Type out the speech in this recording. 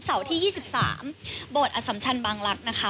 เสาร์ที่ยี่สิบสามโบสถ์อสัมชันบางลักษณ์นะคะ